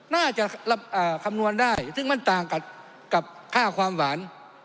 น่าจะคำนวณได้ซึ่งมันต่างกับค่าความหวาน